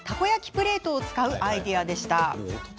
プレートを使うアイデアでした。